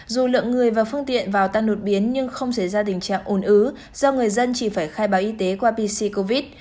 dù lượng người và phương tiện vào tăng đột biến nhưng không xảy ra tình trạng ồn ứ do người dân chỉ phải khai báo y tế qua pc covid